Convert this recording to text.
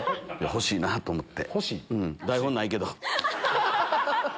欲しいなと思って。